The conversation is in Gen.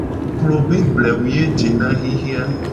Klo be blewu ye jena xixe a.